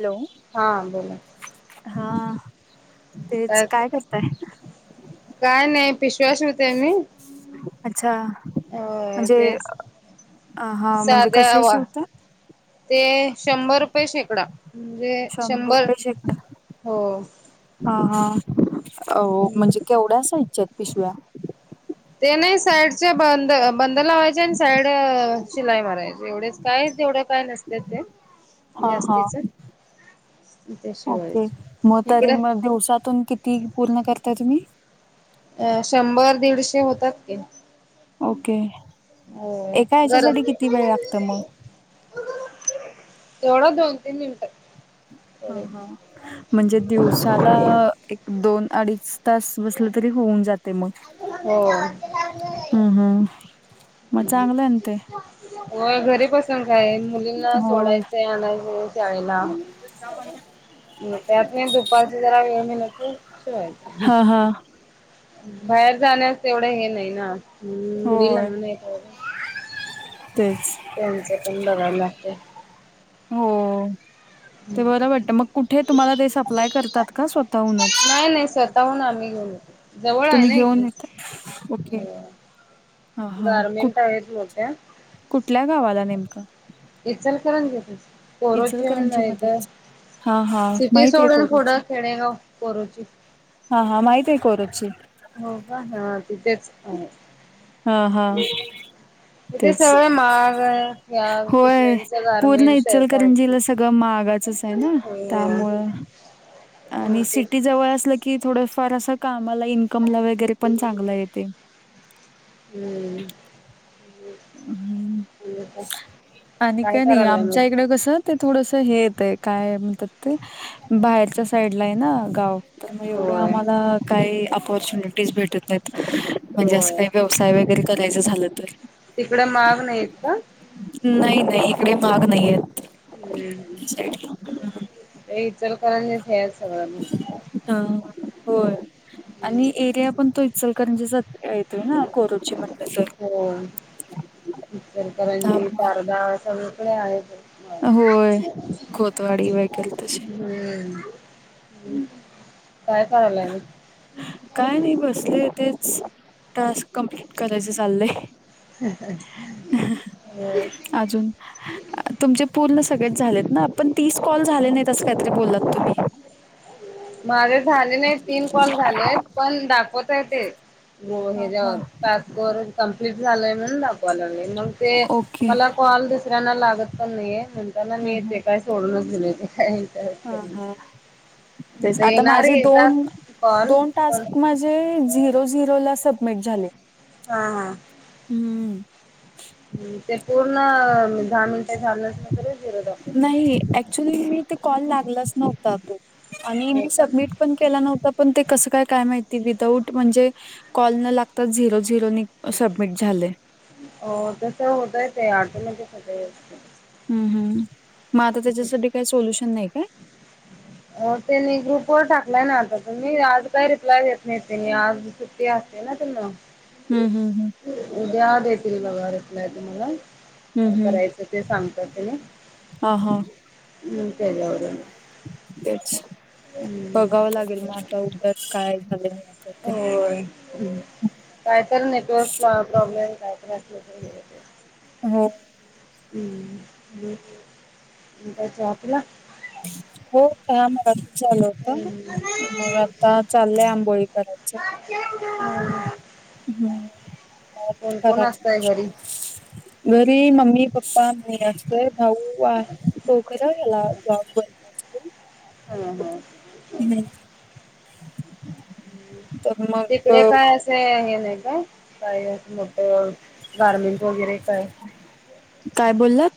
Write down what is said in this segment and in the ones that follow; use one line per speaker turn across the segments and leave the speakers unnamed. Hello
हा बोला
हा तेच काय करताय
काय नाही पिश्वास होते मी
अच्छा
अ
म्हणजे
ते
ह हा म्हणजे
साध्या
कशी
वा
शिवत
ते शंभर रुपये शेकडा म्हणजे शंभर
रुपये शेकडा
हो
हा हा अ म्हणजे केवढ्या सा इ्छ आहेत पिशव्या
ते नाही साईडच्या बंद बंद लावायचे आणि साईड शिलाई मारायची एवढेच काय तेवढं काय नसते ते
[unintelligible] हा
जास्तीच ते
ओके मग
शिवायचे
तरी
इकडे
मग दिवसातून किती पूर्ण करताय तुम्ही
अ शंभर दीडशे होतात की
ओके
हो
एका हच्यासाठी किती वेळ लागतं मग
एवढं दोन तीन मिनिटं
हो हो म्हणजे दिवसाला एक दोन अडीच तास बसलं तरी होऊन जात
होम
हम् हम् मग चांगलं आहे ना ते
हो घरीपसून काय मुलींना
होय
सोडायचंय आणायचं चायना त्यात नाही दुपारच जरा वेळ मिल तर शिवायच
हा हा
बाहेर जाण्यास एवढं हे नाही ना मुली लह
ते
त्यांचे पण बघायला लागते
हो ते बरं वाटतं मग कुठे तुम्हाला ते सप्लाय करतात का स्वतःहूनच
नाही नाही स्वतःहून आम्ही घेऊन जवळ आहे
तुम्ही
ना
घेऊन
एकक
येता ओके हा हा कु
गारमेंट आहेत मोठ्या
कुठल्या गावाला नेमका
इचाल करण घ कोरोचीण
इचलकरंजी
नाही तर
मध्येच हा हा
सिटी
माहित आहे
सोडून फोड
कोरोची
खेडेगाव बोरोची
हा हा माहिती आहे कररोपची
हो हा हा तिथेच आहे
हा हा
तथे
तेच
सगळ माारग
होय पूर्ण इचलकरंजीला सगळं मागाचच आहे ना त्यामुळं आणि
हम्म
सिटीजवळ असलं की थोडंफार असं कामाला इन्कमला वगैरे पण चांगलं येते
हम्म
हम्म आणि काय नाही
करायलाय मग
आमच्या इकड कस ते थोडस हे येत आहे काय म्हणतात ते बाहेरच्या साईड ला आहे ना गाव तर मग एवढ्या
होय
आम्हाला काही अपॉर्च्युनिटीज भेटत आहेत म्हणजे असं
होय
काही व्यवसाय वगैरे करायचं झालं तर
तिकड माग नाही का
नाही नाही इकडे माग नाहीय आहेत
इचलकरण नाही हे सगळंण
हा होय आणि एरिया पण तो इचल कर म्हणजे येतोय ना कोर
[inaudible] होय, [inaudible] करंजी
त्यामुळं
तारदाा सगकळे आहेत.
होय खोतवाडी वगैर तसे
हम्म [unintelligible] काय करायलाय नि,
काय नाही बसले तेच टास्क कमप्लीट करायच चाललंय. [inaudible] अजून तुमचे पूर्ण सगळेच झालेत ना पण तीस कॉल झाले नाहीतसं काहीतरी बोलत तुम्ही.
माझे झाले नाही तीन कॉल झाले आहेत पण दाखवत आहे ते. ग
हा हा
हच्यावर टास्क वर कमप्लीट झालंय म्हणून दाखवा लागले मग ते
ओके
मला कॉल दुसऱ्यांना लागत पण नाहीये म्हणताना
हम्म
मी तेे काय सोडूनच दिले ते काही,
ह ह ते आता
येणारे
माझे
येतात
दोन
कॉल
दोन
पण
टास्क म हे झिरो झिरो ला सबमिट झाले.
हा हा.
हम्म.
ह ते पूर्ण दहा मिनिटे झाल्याच नं तरी झीरो
नाही ऍक्च्युली मी ते कॉल लागलाच नव्हता तो आणि मी सबमिट पण केला नव्हता पण ते कसं काय काय माहिती विदाऊट म्हणजे कॉल न लागतात झिरो झिरो सबमिट झाले.
अ तस होतय ते आटो्मेटिक होतय च ते.
हम्म हम् मग आता त्याच्यासाठी काही सोल्युशन नाही काय. [inaudible]
हो तेनी ग्रुप वर टाकलाय ना आता तुम्ही आज काय रिप्लाय देत नाही त्यांनी आज टी असते ना त्यांना.
हम् हम् हम.
उद्या देतील बघा रिप्लाय तुम्हाला काय करायचं ते सांगतात तेणी.
ह हा.
हम [unintelligible]
तेच.
हम्
बघावं लागेल मग आता उद्यात काय झालंय,
होय-होय, [inaudible] काय तर नेटवर्क प्रॉब्लेम हाय काय तर असले तरी होतय ते.
हो.
हम [unintelligible] मग काय चाय पिला.
[unintelligible] हो शम. चाल होता मग आता चाललंय आंबोळी करायचं.
ह [unintelligible]
हम्म
कोण कोण
[unintelligible]
असतय घरी
घरी मम्मी पप्पा. असतय भाऊ आहे तो खर याला जॉब भती असतो.
हम हम.
[inaudible] तर मग,
इकडे काय असे हे नाही का काही. अ गारमेंट वगैरे काय. [inaudible]
काय बोललात?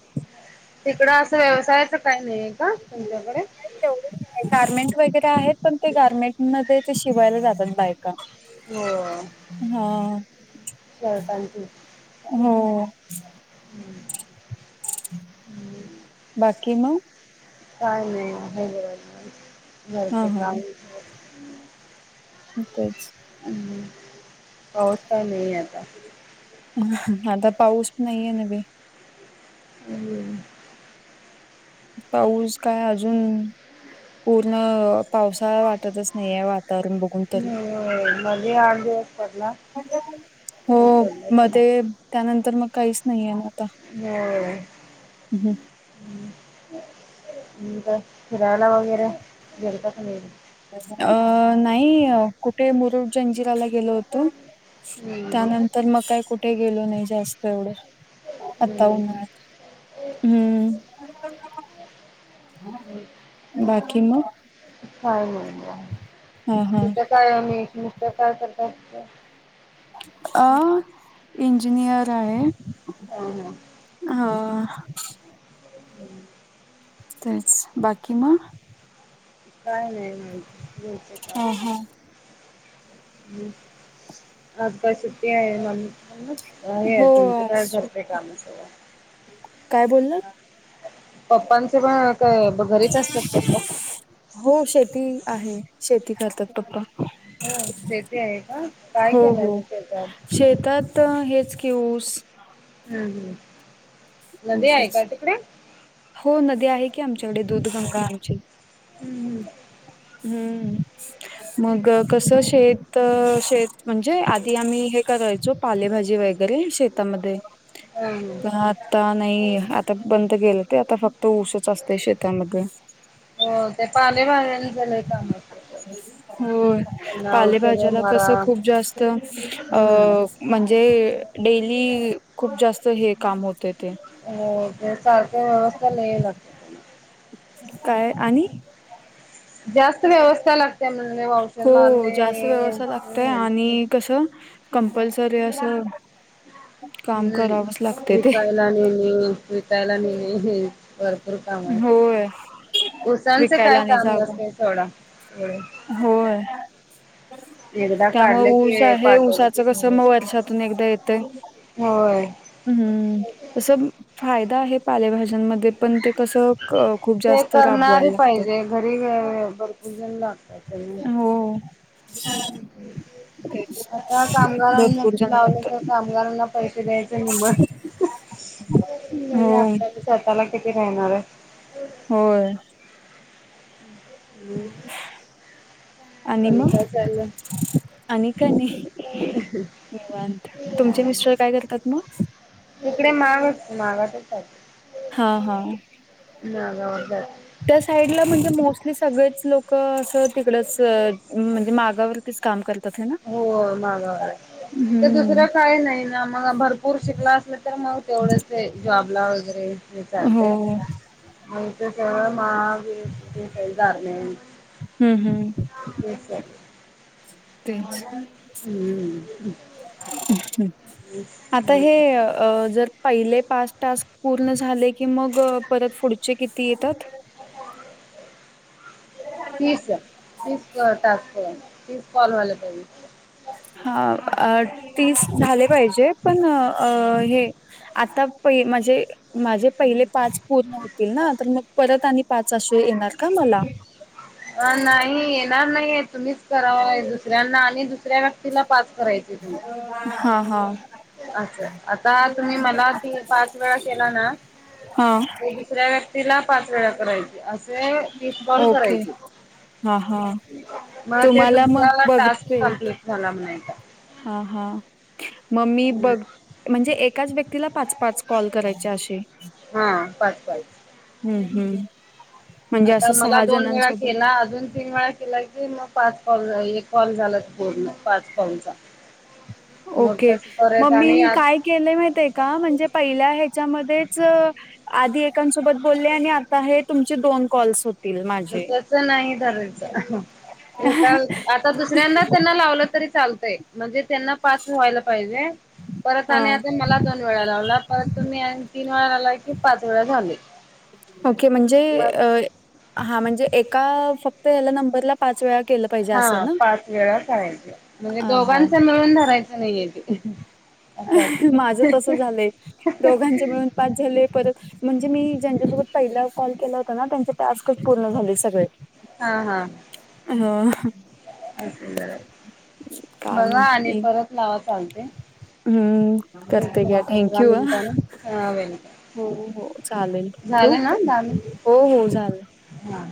तिकडं असं व्यवसायाच काही नाहीये का तुमच्याकडे.
तेवढेच गार्मेंट वगैरे आहेत पण ते गार्मेंटमध्येध्ये ते शिवायला जातात बायका.
हो.
ह. [inaudible]
चला थँक्यू.
हो. [inaudible]
[inaudible]
बाकी मग.
काय नाही आहे बरब
हा
घरचे
हा
काम. [inaudible]
म तेच.
हम् पाऊस काय नाही आता.
आता पाऊस नाहीये न्हवे.
हम्म.
पाऊस काय अजून पूर्ण पावसाळा वाटतच नाही आहे वातावरण बघून तरी.
होय मध्ये आठ दिवस पडला खूप
हो
पडला थोडा.
मध्ये त्यानंतर मग काहीच नाहीये ना. आता
होय. फिरायला वगैरे गेलता की नाही.
अ नाही कुठे मुरुड जंजिराला गेलो होतो.
हम्म
त्यानंतर मग काय कुठे गेलो नाही जास्त एवढं. आत्ता
हम्म
उन्हाळात
हम्म
हम्म बाकी मग.
काय नाही
हा हा
तिथ काय आणि मिस्टर काय करतात.
अ इंजिनियर आहे.
ह हा.
हा.
अ् [inaudible]
तेच बाकी म.
काय नाही [inaudible]
हा हा
ह आज काय सुट्टी [inaudible] हे
हो
तुमचं काय करतंय काम सगळं
काय बोलला?
पप्पांचे पण काय ब
हो शेती आहे, शेती करतात पप्पा.
हा शेती आहे का का, काय
हो
केलाय
हो
मग शेतात?
शेतात हेच की ऊस
हम्म हम्.
ऊसचं, हो नदी आहे की आमच्याकडे दुध गंगा आमची
हम्म हम.
हम्म मग कसं शेत शेत म्हणजे आधी आम्ही हे करायचो पालेभाजी वगैरे शेतामध्ये
हम्म.
आता नाही, आता बंद केलं ते आता फक्त ऊसच असतय शेतामध्ये.
हो ते पालेभाज्यांच लय काम असतय.
हो पालेभाज्याला
मारा.
कसं खूप जास्त अ
हम्म.
म्हणजे डेली खूप जास्त हे काम होते ते
हो ते सारखं व्यवस्था लय लागते त्यांना.
काय आणि?
जास्त व्यवस्था लागते म्ह [inaudible]
हो जास्त व्यवस्था लागतंय आणि कसं कंपल्सरी अंस
[unintelligible]
ते
भरपूर कामं
होय
असत ऊसाचं काय
विकायला नाही
काम
जागा
नसतय सोडा.
होय
एकदा
त्यामुळे
काढलं
ऊस
की
आहे
पाठवलं
ऊसाच
की
कसं मग
झालंच
वर्षातून एकदा येतंय
होय
हम्म तसं फायदा आहे पालेभाज्यांमध्ये पण ते कसं खूप
ते
जास्त
करणार
राबवायला लागतं
पाहिजे घरी भरपूर जण लागतात.
हो
ह हो.
तेच
आता कामगारांना
भरपूर
क
जण
लावलं तर
लागतात
कामगारांना पैसे द्यायचे निबड
हो
म्हे आपल्याला स्वतःला किती राहणार आहे.
हो.
ह.
[unintelligible]
आणि काय चालला.
आणि का नाही निवांत तुमचे मिस्टर काय करतात मग
इकडे मागच मागातच.
हा हा.
मागावर जात
त्या साईड ला म्हणजे मोस्टली सगळेच लोक असं तिकडच म्हणजे मागावर ते काम कर.
हो माग इथ
हम्म.
दुसरं काय नाही. मग भरपूर शिकला असल तर मग तेवढच जॉब ला वगैरे चालते.
हो
मतळ मा वतारणार
हम्म हम्म
हच् सर.
ते अच्छा.
हम्म
आता हे जर पहिले पाच टास्क पूर्ण झाले की कि मग परत पुढचे किती येतात.
तीस तीस टाक तीस कॉल झाले पाहिजे.
हा तीस झाले पाहिजे पण हे. आता प म्हणजे माझे पहिले पाच पूर्ण होतील ना तर मग परत आणि पाच अशे येणार का मला
अ नाही येणार नाहीय तुम्हीच करावाय दुसऱ्यांना आणि दुसऱ्या व्यक्तीला पास करायचां.
हा हा.
अच्छा आता तुम्ही मला त पाच वेळा केला ना.
हम.
तिला पाच वेळा करायची असे तीस कॉल
ओके
करायची.
हा हा.
मग ते
तुम्हाला मग
तुमचा टास्क
बघते
कंप्लीट झाला म्हनायचा.
हा हा मम्मी बघ. म्हणजे एकाच व्यक्तीला पाच पाच कॉल करायचे असे.
हा पाच पाच.
हम्म हम्म. म्हणजे
आता
असं
मला
सहा
दोन वेळा
जणांसोबत
केला अजून तीनवेळा केला की मग पाच कॉल एक कॉल झाला बोलण पाच कॉलचा मग
ओके
तसं
मम
परत आणि
ममी
आज
काय केले माहित का म्हणजे पहिल्या ह्याच्यामध्येच आधी एकांसोबत बोलले आणि आता हे तुमचे दोन कॉल्स होते.
तस नाही धरायचं. हे का आता दुसऱ्यांद त्यांना लावलं तरी चालतंय. म्हणजे त्यांना पाच व्हायला पाहिजे. परत
हा
आणि आता मला दोन वेळा लावला परत तुम्ही तीन वेळा लावला की पाच वेळा झाले.
ओके म्हणजे
मग
हा म्हणजे एका फक्त याला नंबरला पाच वेळा केलं. पाहिजे
हा
असं ना
पाच वेळा करायच्या म्हणजे
ह हा
दोघांच मिळून धरायचं नाहीय तेे
माझं तस झालंय दोघांचे मिळून पाच झाले परत म्हणजे मी ज्यांच्यासोबत पहिला कॉल केला होता ना त्यांचे टास्कच पूर्ण झाले सगळे.
हा हा.
हो.
असे बर
काम
बघा आणि परत लावा चालते.
हम्म
एक
करते घ्या
दहा
थँंक
पंधरा
यू ह
मिनिटाने हा वेलकम
हो हो चालेल ठेऊ
झालं ना
का
दहा मिनिट
हो हो चालेल.
हा.